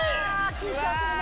緊張するね。